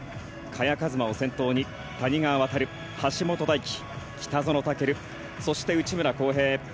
萱和磨を先頭に谷川航、橋本大輝北園丈琉、そして内村航平。